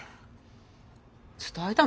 伝えたの？